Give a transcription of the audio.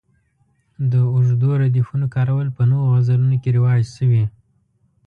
د اوږدو ردیفونو کارول په نویو غزلونو کې رواج شوي.